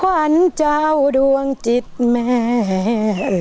วันเจ้าดวงจิตแม่